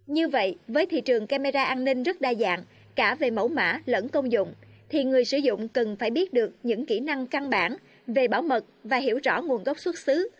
như vậy với thị trường camera an ninh rất đa dạng cả về mẫu mã lẫn công dụng thì người sử dụng cần phải biết được những kỹ năng căn bản về bảo mật và hiểu rõ nguồn gốc xuất xứ